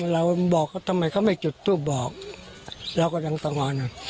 เราบอกทำไมเขาไม่จุดทูบบอกเราก็ดังตะงอน